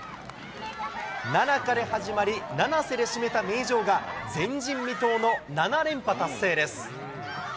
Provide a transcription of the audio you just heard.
奈々香で始まり、七星で締めた名城が、前人未到の７連覇達成です。